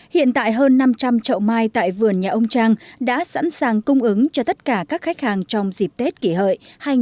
hiện tại hơn năm trăm linh chậu mai tại vườn nhà ông trang đã sẵn sàng cung ứng cho tất cả các khách hàng trong dịp tết kỷ hợi hai nghìn một mươi chín